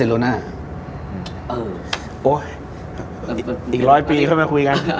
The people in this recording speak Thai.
อีกร้อยปีเข้ามาคุยกัน